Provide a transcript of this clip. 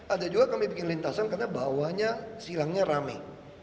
ada juga kami bikin lintasan karena bawahnya silangnya rame